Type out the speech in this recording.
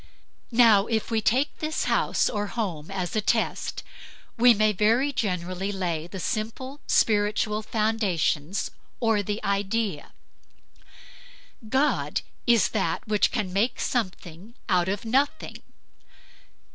Now if we take this house or home as a test, we may very generally lay the simple spiritual foundations of the idea. God is that which can make something out of nothing.